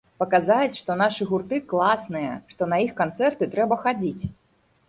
Паказаць, што нашы гурты класныя, што на іх канцэрты трэба хадзіць.